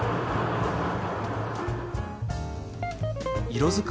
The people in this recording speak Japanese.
色づく